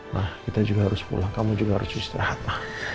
nah kita juga harus pulang kamu juga harus istirahat lah